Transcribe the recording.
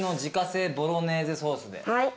はい。